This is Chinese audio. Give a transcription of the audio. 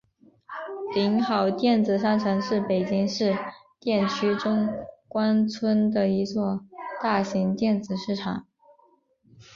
鼎好电子商城是北京市海淀区中关村的一座大型电子市场。